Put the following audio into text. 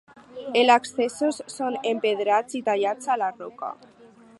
Els accessos són empedrats i tallats a la roca.